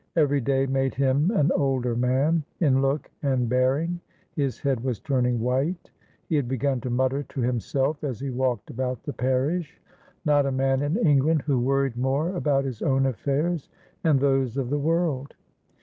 Every day made him an older man in look and bearing. His head was turning white. He had begun to mutter to himself as he walked about the parish. Not a man in England who worried more about his own affairs and those of the world.